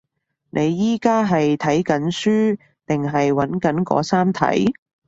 你而家係睇緊書定係揾緊嗰三題？